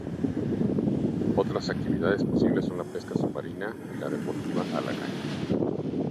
Otras actividades posibles son la pesca submarina y la deportiva a caña